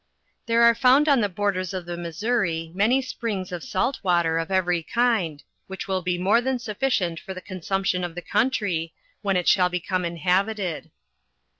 There are found on the borders of the Missouri many springs of salt water of every kind, which will be more than sufficient for the consumption of the country, when it shall become inhabited.